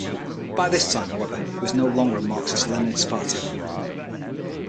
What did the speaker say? By this time, however, it was no longer a Marxist-Leninist party.